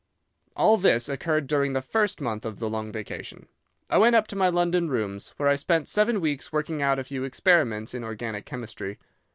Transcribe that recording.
"All this occurred during the first month of the long vacation. I went up to my London rooms, where I spent seven weeks working out a few experiments in organic chemistry.